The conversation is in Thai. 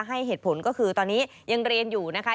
ให้เหตุผลก็คือตอนนี้ยังเรียนอยู่นะคะ